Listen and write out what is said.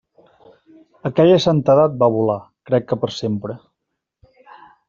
Aquella santedat va volar, crec que per sempre.